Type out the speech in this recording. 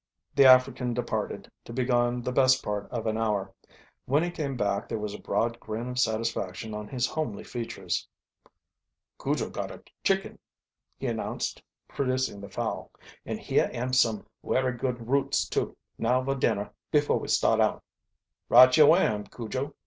The African departed, to be gone the best Part of an hour. When he came back there was a broad grin of satisfaction on his homely features. "Cujo got a chicken," he announced, producing the fowl. "And here am some werry good roots, too. Now va dinner befo' we start out." "Right yo' am, Cujo!"